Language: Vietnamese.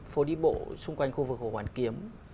phố đi bộ xung quanh khu vực hồ hoàn kiếm